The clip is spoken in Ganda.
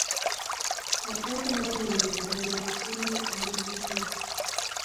Atali nannyini mbooli asima aligguula.